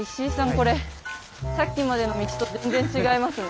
これさっきまでの道と全然違いますね。